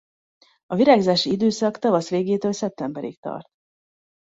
A virágzási időszak tavasz végétől szeptemberig tart.